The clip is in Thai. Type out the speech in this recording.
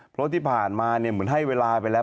เพราะที่ผ่านมาเหมือนให้เวลาไปแล้ว